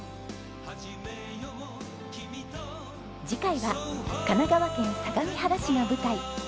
次回は神奈川県相模原市が舞台。